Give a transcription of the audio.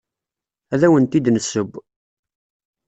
Ad awent-d-nesseww.